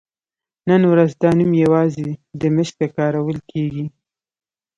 نن ورځ دا نوم یوازې دمشق ته کارول کېږي.